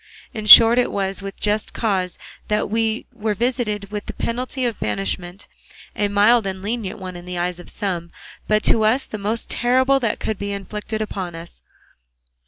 In short it was with just cause that we were visited with the penalty of banishment, a mild and lenient one in the eyes of some, but to us the most terrible that could be inflicted upon us.